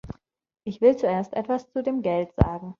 Ich will zuerst etwas zu dem Geld sagen.